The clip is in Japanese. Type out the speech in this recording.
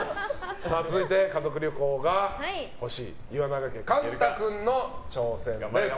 続いて家族旅行が欲しい岩永家、貫汰君の挑戦です。